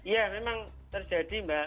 ya memang terjadi mbak